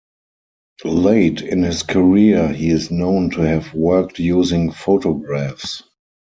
Late in his career, he is known to have worked using photographs.